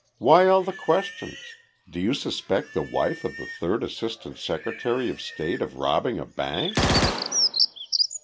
"Why all the questions? Do you suspect the wife of the Third Assistant Secretary of State of robbing a bank?"